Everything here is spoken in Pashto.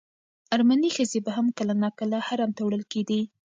ارمني ښځې به هم کله ناکله حرم ته وړل کېدې.